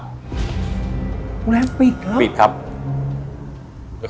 โรงแรมปิดครับปิดครับ